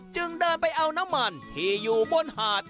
จึงเดินไปเอาน้ำมันที่อยู่บนหาด